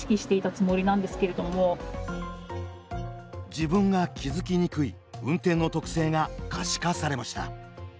自分が気付きにくい運転の特性が可視化されました。